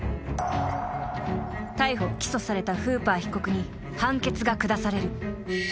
［逮捕起訴されたフーパー被告に判決が下される］